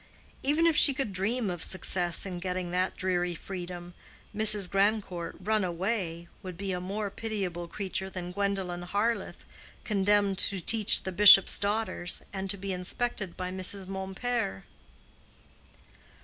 —even if she could dream of success in getting that dreary freedom. Mrs. Grandcourt "run away" would be a more pitiable creature than Gwendolen Harleth condemned to teach the bishop's daughters, and to be inspected by Mrs. Mompert.